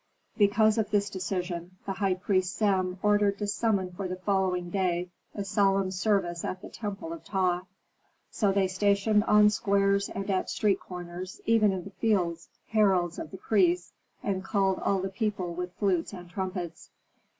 Because of this decision, the high priest Sem ordered to summon for the following day a solemn service at the temple of Ptah. So they stationed on squares and at street corners, even in the fields, heralds of the priests, and called all the people with flutes and trumpets.